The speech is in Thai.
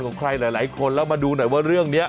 ของใครหลายคนแล้วมาดูหน่อยว่าเรื่องนี้